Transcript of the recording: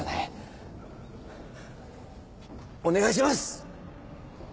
お願いします！